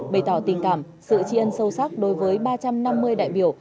bày tỏ tình cảm sự tri ân sâu sắc đối với ba trăm năm mươi đại biểu